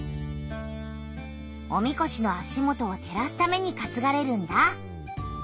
おみこしの足元をてらすためにかつがれるんだ！